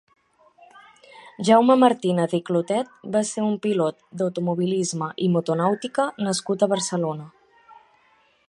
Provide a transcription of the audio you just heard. Jaume Martínez i Clotet va ser un pilot d'automobilisme i motonàutica nascut a Barcelona.